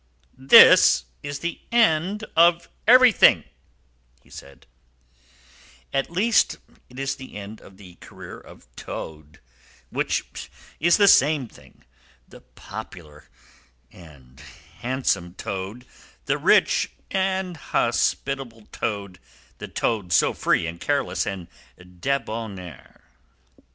"This is the end of everything" (he said), "at least it is the end of the career of Toad, which is the same thing; the popular and handsome Toad, the rich and hospitable Toad, the Toad so free and careless and debonair!